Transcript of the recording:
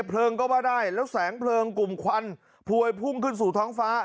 เพลิงก็ว่าได้แล้วแสงเพลิงกลุ่มควันพวยพุ่งขึ้นสู่ท้องฟ้า